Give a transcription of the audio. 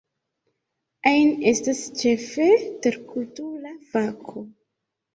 Ain estas, ĉefe, terkultura fako.